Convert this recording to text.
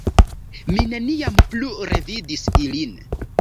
Mi neniam plu revidis ilin.